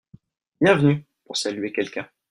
Bienvenue (pour saluer quelqu'un)